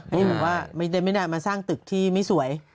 บอกว่าไม่ได้มาสร้างตึกที่ไม่สวย